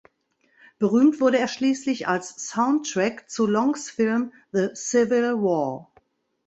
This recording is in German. Berühmt wurde er schließlich als Soundtrack zu Longs Film "The Civil War".